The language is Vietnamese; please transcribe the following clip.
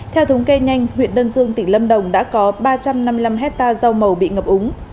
theo thống kê nhanh huyện đơn dương tỉnh lâm đồng đã có ba trăm năm mươi năm hectare rau màu bị ngập úng